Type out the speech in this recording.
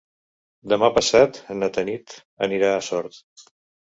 Demà passat na Tanit anirà a Sort.